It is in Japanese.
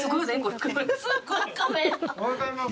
おはようございます。